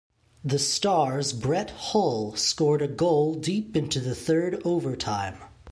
The Stars' Brett Hull scored a goal deep into the third overtime.